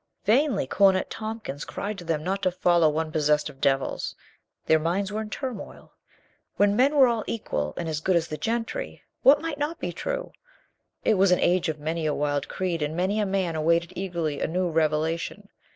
Vainly Cornet Tompkins cried to them not to follow one possessed of devils. Their minds were in turmoil. When men were all equal and as good as the gentry, what might not be true? It was an age of many a wild creed, and many a man awaited eagerly a new revelation.